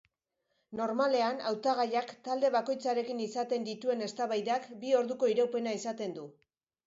Normalean hautagaiak talde bakoitzarekin izaten dituen eztabaidak bi orduko iraupena izaten du.